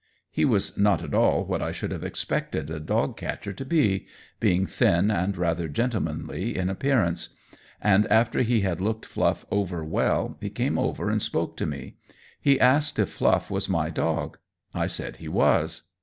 He was not at all what I should have expected a dog catcher to be, being thin and rather gentlemanly in appearance; and after he had looked Fluff over well he came over and spoke to me. He asked me if Fluff was my dog. I said he was.